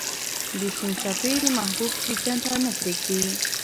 د سیند څپې د محبوب دیدن ته نه پرېږدي.